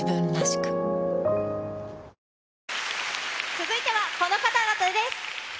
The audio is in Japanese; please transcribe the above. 続いてはこの方々です。